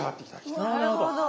なるほど。